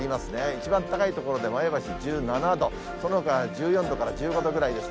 一番高い所で前橋１７度、そのほか１４度から１５度ぐらいです。